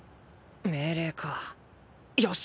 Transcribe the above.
命令かよし。